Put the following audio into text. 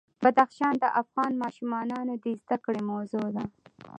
بدخشان د افغان ماشومانو د زده کړې موضوع ده.